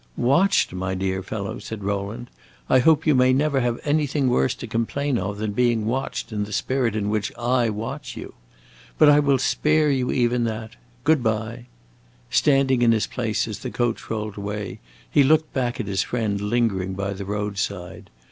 "Watched, my dear fellow!" said Rowland. "I hope you may never have anything worse to complain of than being watched in the spirit in which I watch you. But I will spare you even that. Good by!" Standing in his place, as the coach rolled away, he looked back at his friend lingering by the roadside.